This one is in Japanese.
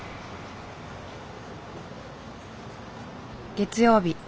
月曜日